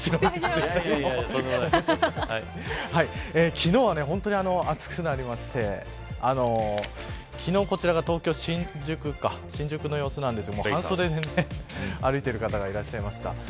昨日は本当に暑くなってこちらが東京、新宿の様子ですが半袖で歩いている方がいました。